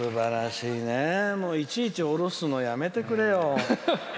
いちいち下ろすのやめてくれよ。